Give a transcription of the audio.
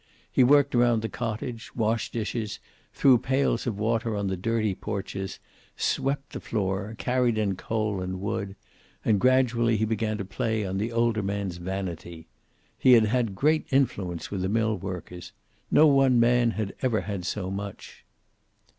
He worked around the cottage, washed dishes, threw pails of water on the dirty porches, swept the floor, carried in coal and wood. And gradually he began to play on the older man's vanity. He had had great influence with the millworkers. No one man had ever had so much.